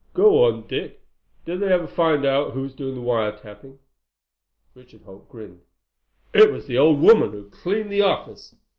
"Go on, Dick. Did they ever find out who was doing the wire tapping?" Richard Holt grinned. "It was the old woman who cleaned the office.